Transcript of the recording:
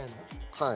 はい。